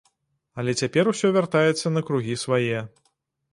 Але цяпер усё вяртаецца на кругі свае.